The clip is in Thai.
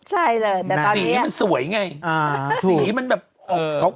ใช่เลยแต่ตอนนี้สีมันสวยไงสีมันแบบขาว